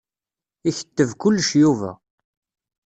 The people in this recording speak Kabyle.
Iketteb kullec Yuba.